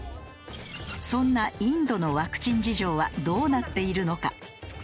そんなインドのワクチン事情はどうなっているのか？